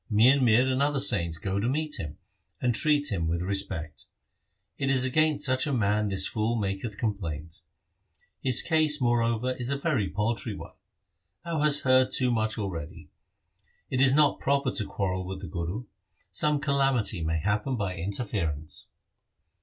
Mian Mir and other saints go to meet him, and treat him with respect. It is against such a man this fool maketh complaint. His case, more over, is a very paltry one. Thou hast heard too much already. It is not proper to quarrel with the Guru. Some calamity may happen by interference.'